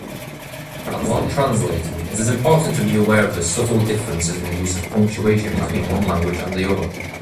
While translating, it is important to be aware of the subtle differences in the use of punctuation between one language and the other.